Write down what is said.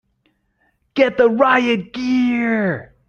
Get the riot gear!